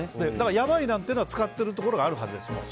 やばいなんてのは使ってるところがあるはずです。